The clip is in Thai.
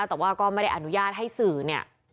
แต่ว่าก็ไม่ได้อนุญาตให้สื่อเนี่ย